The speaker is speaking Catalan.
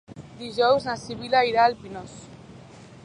Dijous na Sibil·la irà al Pinós.